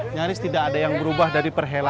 nyaris tidak ada yang berubah dari perhelatan